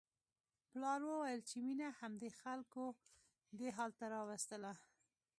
پلار وویل چې مينه همدې خلکو دې حال ته راوستله